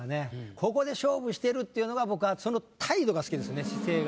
ここで勝負してるっていうのが僕はその態度が好きですね姿勢が。